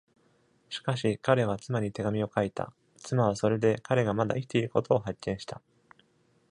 しかし、彼は妻に手紙を書いた、妻はそれで彼がまだ生きていることを発見した。